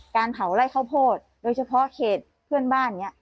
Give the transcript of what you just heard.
การเผาไล่ข้าวโพดโดยเฉพาะเขตเพื่อนบ้านเนี่ย